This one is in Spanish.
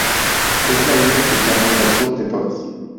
Es la isla que está más al sur de todas.